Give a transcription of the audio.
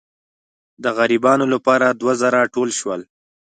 د غریبانو لپاره دوه زره ټول شول.